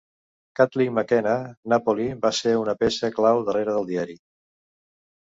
Kathleen McKenna-Napoli va ser una peça clau darrere del diari.